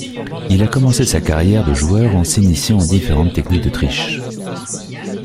Il a commencé sa carrière de joueur en s'initiant aux différentes techniques de triche.